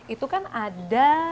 itu kan ada